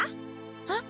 えっ！？